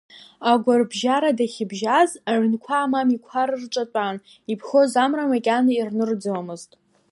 Агәарбжьара дахьыбжьаз, аҩнқәа амамиқәара рҿатәан, иԥхоз амра макьана ирнырӡомызт.